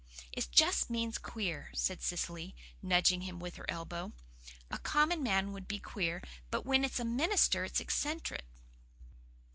It just means queer," said Cecily, nudging him with her elbow. "A common man would be queer, but when it's a minister, it's eccentric."